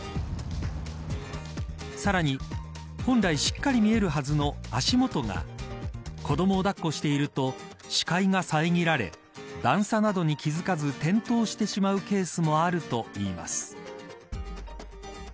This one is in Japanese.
さらに本来しっかり見えるはずの足元が子どもを抱っこしていると視界が遮られ段差などに気付かず転倒してしまうケースもあるといいます。